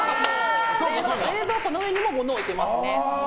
冷蔵庫の上にも物を置いてますね。